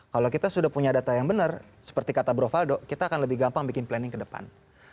kalau kita sudah punya data yang benar seperti kata bro faldo kita akan lebih gampang bikin planning ke depan